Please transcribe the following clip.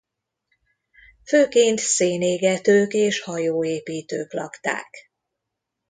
Főként szénégetők és hajóépítők lakták.